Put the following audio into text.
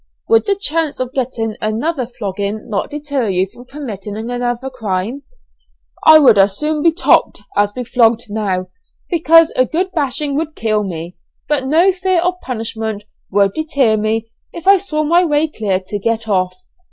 "Would the chance of getting another flogging not deter you from committing another crime?" "I would as soon be 'topt' as be flogged now, because a good bashing would kill me; but no fear of punishment would deter me, if I saw my way clear to get off.